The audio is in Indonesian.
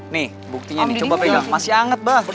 nih buktinya nih coba beri masih anget bah